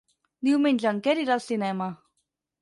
Diumenge en Quer irà al cinema.